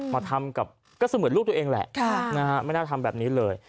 มาทำกับก็เสมือนลูกตัวเองแหละไม่น่าทำแบบนี้เลย